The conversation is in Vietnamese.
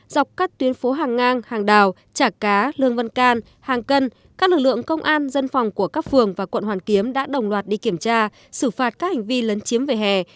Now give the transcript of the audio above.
dọc các tuyến phố hàng ngang hàng đào chả cá lương văn can hàng cân các lực lượng công an dân phòng của các phường và quận hoàn kiếm đã đồng loạt đi kiểm tra xử phạt các hành vi lấn chiếm về hè